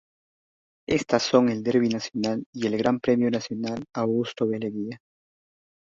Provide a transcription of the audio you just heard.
Estas son el Derby Nacional y el Gran Premio Nacional Augusto B. Leguía.